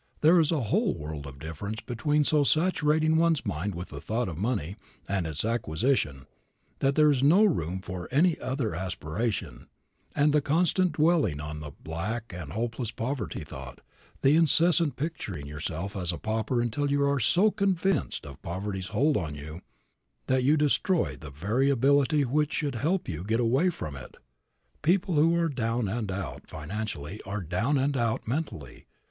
There is a whole world of difference between so saturating one's mind with the thought of money and its acquisition that there is no room for any other aspiration, and the constant dwelling on the black and hopeless poverty thought, the incessant picturing yourself as a pauper until you are so convinced of poverty's hold on you that you destroy the very ability which should help you to get away from it. People who are down and out financially are down and out mentally.